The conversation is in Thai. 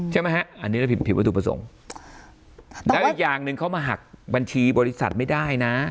ใช่ไหมฮะอันนี้เราผิดผิดวัตถุประสงค์แล้วอีกอย่างหนึ่งเขามาหักบัญชีบริษัทไม่ได้นะ